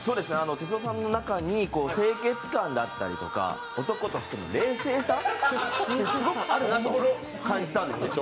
哲夫さんの中に清潔感だったり男としての冷静さあるなと感じたんですよ。